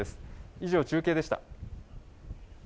以上、中継でした。